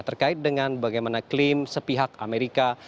terkait dengan bagaimana klaim sepihak amerika